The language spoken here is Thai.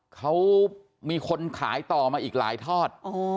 เขามีคนขายต่อมาอีกหลายทอด